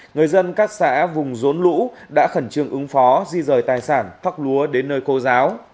người dân các xã vùng rốn lũ đã khẩn trương ứng phó di rời tài sản thóc lúa đến nơi cô giáo